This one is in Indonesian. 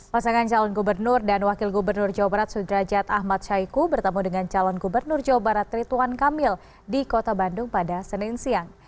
pasangan calon gubernur dan wakil gubernur jawa barat sudrajat ahmad syaiqo bertemu dengan calon gubernur jawa barat rituan kamil di kota bandung pada senin siang